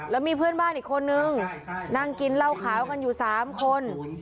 แล้วมีเพื่อนบ้านอีกคนนึงนั่งกินเหล้าขาวกันอยู่๓คน